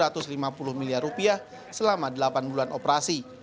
rp lima puluh miliar selama delapan bulan operasi